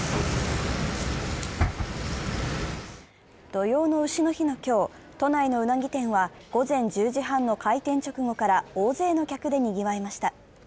土用の丑の日の今日、都内のうなぎ店は午前１０時半の開店直後から大勢の客でにぎわいました。